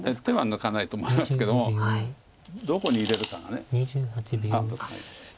手は抜かないと思いますけどもどこに入れるかが。